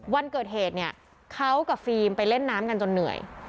วันเกิดเหตุเนี่ยเขากับฟิล์มไปเล่นน้ำกันจนเหนื่อย